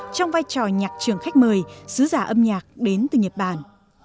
trong vai trò nhạc trưởng khách mời sứ giả âm nhạc đến từ nhật bản